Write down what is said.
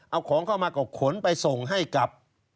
เอาของเข้ามาก็ขนไปส่งให้กับ